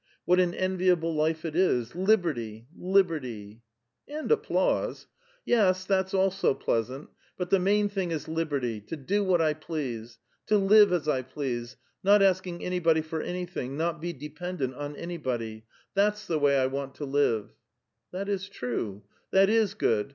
What an enviable life it is ! Liberty ! Liberty !"" And ai)plausc." '' Yes ; that's alyo pleasant, but the main thing is liberty ; to do what 1 please ; to live as 1 please, not asking anybody for anything, not be dependent on anybody ; that's the way I wnnt to \\\Q !" ''That is true, that is good!